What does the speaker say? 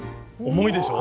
重いでしょ？